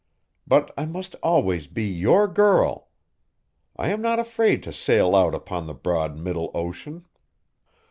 But I must always be your girl! I am not afraid to sail out upon the broad middle ocean.